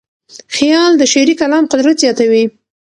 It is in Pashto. خیال د شعري کلام قدرت زیاتوي.